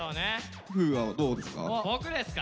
風雅はどうですか？